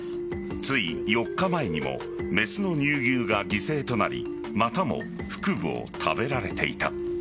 つい４日前にもメスの乳牛が犠牲となりまたも腹部を食べられていた。